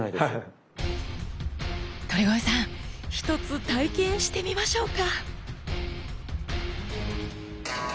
鳥越さんひとつ体験してみましょうか！